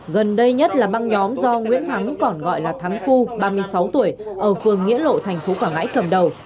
gần đây nhất là băng nhóm do nguyễn thắng còn gọi là thắng phu ba mươi sáu tuổi ở phường nghĩa lộ thành phố quảng ngãi cầm đầu